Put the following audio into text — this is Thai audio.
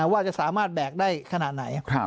ว่าจะสามารถแบกได้ขนาดไหน